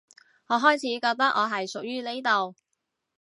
我開始覺得我係屬於呢度